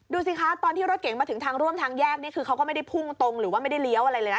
ดูสิคะตอนที่รถเก๋งมาถึงทางร่วมทางแยกนี่คือเขาก็ไม่ได้พุ่งตรงหรือว่าไม่ได้เลี้ยวอะไรเลยนะ